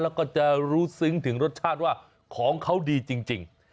แล้วก็จะรู้ซึ้งถึงรสชาติว่าของเขาดีจริง